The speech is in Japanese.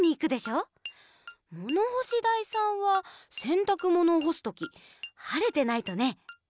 ものほしだいさんはせんたくものをほすときはれてないとね。